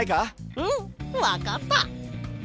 うんわかった！